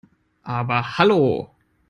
Aber hallo!